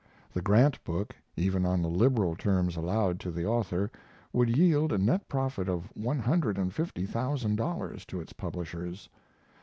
The Grant book, even on the liberal terms allowed to the author, would yield a net profit of one hundred and fifty thousand dollars to its publishers.